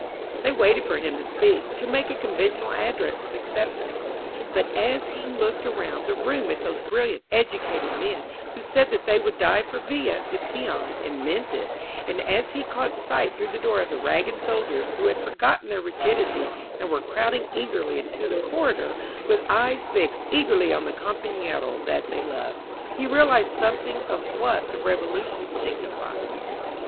They waited for him to speak — ^to make a conven tional address of acceptance. But as he looked around the room at those brilliant, educated men, who said that they would die for Villa, the peon, and meant it, and as he caught sight through the door of the ragged soldiers, who had forgotten their rigidity and were crowding eagerly into the corridor with eyes fixed eagerly on the compafiero that they loved, he realized something of what the Revolution signified.